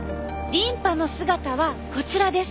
リンパの姿はこちらです！